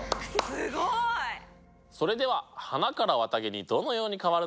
すごい！それでは花から綿毛にどのように変わるのか。